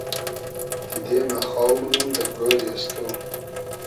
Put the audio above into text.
دیدې مۂ خاو مونوم دۂ گۉری از تو